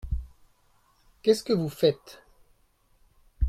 Qu’est-ce que vous faites ?